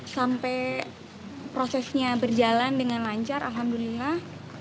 sampai prosesnya berjalan dengan lancar alhamdulillah